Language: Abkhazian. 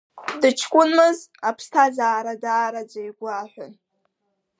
Дыҷкәынмыз, аԥсҭазаара даараӡа игәы аҳәон.